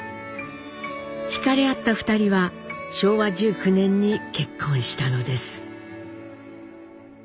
ひかれ合った２人は昭和１９年に結婚したのです。